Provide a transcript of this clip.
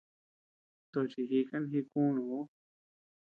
Tochi jikan jikunu ú.